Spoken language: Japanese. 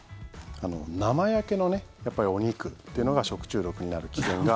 生焼けのお肉っていうのが食中毒になる危険が。